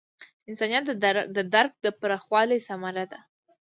انسانیت د درک د پراخوالي ثمره ده.